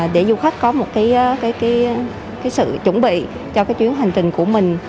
để du khách có một cái sự chuẩn bị cho cái chuyến hành trình của mình